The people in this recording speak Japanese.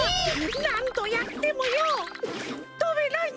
なんどやってもよぐっとべないんだ。